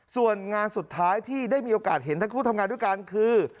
ส่วนงานสุดท้ายที่ได้มีโอกาสเห็นทั้งคู่ทำงานด้วยกันคือ